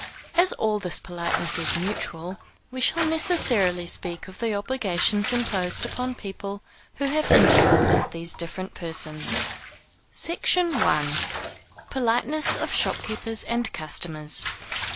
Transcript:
As all this politeness is mutual, we shall necessarily speak of the obligations imposed upon people who have intercourse with these different persons. SECTION I. _Politeness of Shopkeepers and Customers.